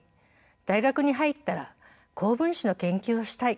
「大学に入ったら高分子の研究をしたい。